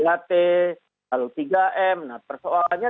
lalu tiga m nah persoalannya